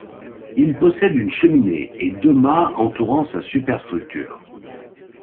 Il possède une cheminée et deux mâts entourant sa superstructure.